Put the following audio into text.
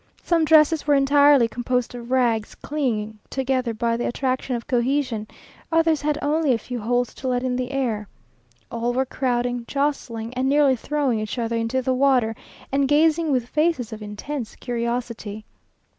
Some dresses were entirely composed of rags, clinging together by the attraction of cohesion; others had only a few holes to let in the air. All were crowding, jostling, and nearly throwing each other into the water, and gazing with faces of intense curiosity.